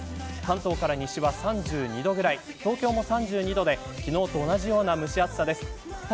関東から西は３２度くらい東京も３２度で昨日と同じ蒸し暑さです。